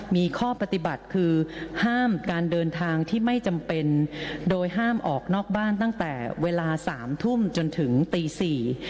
มีข้อปฏิบัติคือห้ามการเดินทางที่ไม่จำเป็นโดยห้ามออกนอกบ้านตั้งแต่เวลาสามทุ่มจนถึงตีสี่